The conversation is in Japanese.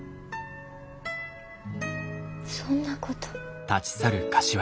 そんなこと。